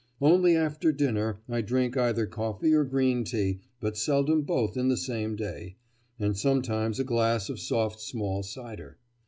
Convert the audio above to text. Only after dinner I drink either coffee or green tea, but seldom both in the same day, and sometimes a glass of soft small cider.